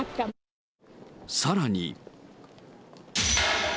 さらに。